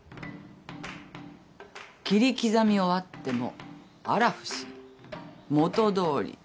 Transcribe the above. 切り刻み終わってもあら不思議元通り。